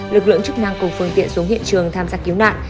lực lượng chức năng cùng phương tiện xuống hiện trường tham gia cứu nạn